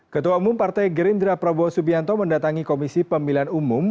ketua umum partai gerindra prabowo subianto mendatangi komisi pemilihan umum